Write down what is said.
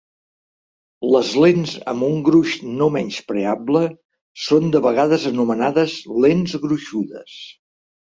Les lents amb un gruix no menyspreable són de vegades anomenades "lents gruixudes".